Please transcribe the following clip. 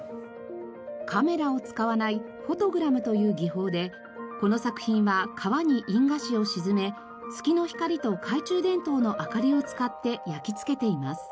カメラを使わない「フォトグラム」という技法でこの作品は川に印画紙を沈め月の光と懐中電灯の明かりを使って焼き付けています。